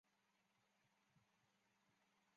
但学校军事训练并未获得多大发展。